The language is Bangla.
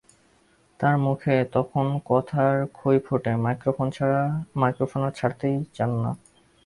তাঁর মুখে তখন কথার খই ফোটে, মাইক্রোফোন আর ছাড়তেই চান না।